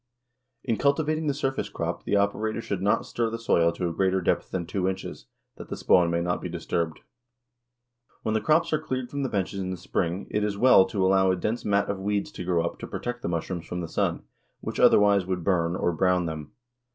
In cultivating the surface crop the operator should not stir the soil to a greater depth than two inches, that the spawn may not be disturbed. When the crops are cleared from the benches in the spring it is well to allow a dense mat of weeds to grow up to protect the mushrooms from the sun, which, otherwise, would "burn" or brown them.